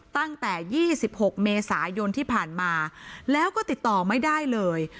ตั้งแต่๒๖เมษายนที่ผ่านมาแล้วก็ติดต่อไม่ได้เลย